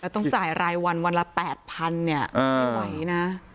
ต้องจ่ายรายวันวันละ๘๐๐๐เนี่ยไม่ไหวนะ